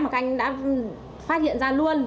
mà các anh đã phát hiện ra luôn